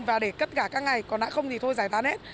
và để cất cả các ngày còn đã không thì thôi giải tán hết